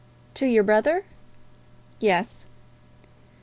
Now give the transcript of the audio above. "To your brother?" "Yes."